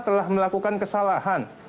telah melakukan kesalahan